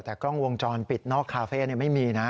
แต่กล้องวงจรปิดนอกคาเฟ่ไม่มีนะ